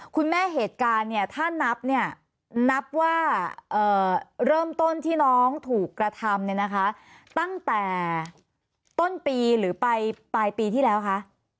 เหตุการณ์เนี่ยถ้านับเนี่ยนับว่าเริ่มต้นที่น้องถูกกระทำเนี่ยนะคะตั้งแต่ต้นปีหรือไปปลายปีที่แล้วคะ